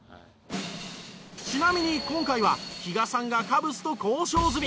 ちなみに今回は比嘉さんがカブスと交渉済み。